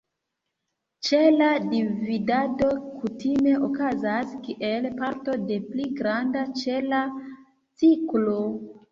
Ĉela dividado kutime okazas kiel parto de pli granda ĉela ciklo.